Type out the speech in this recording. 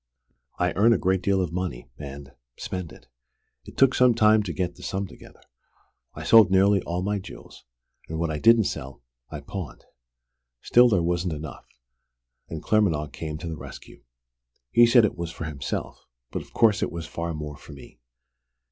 I earn a great deal of money, and spend it. It took some time to get the sum together. I sold nearly all my jewels, and what I didn't sell, I pawned. Still there wasn't enough, and Claremanagh came to the rescue. He said it was for himself but of course it was far more for me!